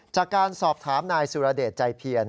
จากการสอบถามนายสุรเดชใจเพียร